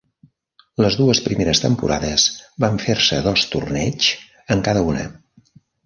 Les dues primeres temporades van fer-se dos torneigs en cada una.